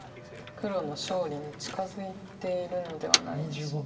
黒の勝利に近づいているのではないでしょうか。